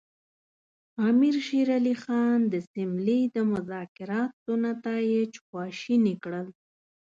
امیر شېر علي خان د سیملې د مذاکراتو نتایج خواشیني کړل.